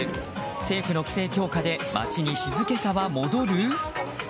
政府の規制強化で街に静けさは戻る？